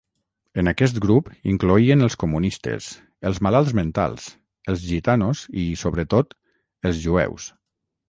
En aquest grup incloïen els comunistes, els malalts mentals, els gitanos i sobretot, els jueus.